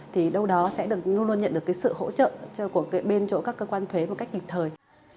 thì đâu đó sẽ luôn luôn nhận được cái sự hỗ trợ của bên chỗ các cơ quan thuế một cách kịp thời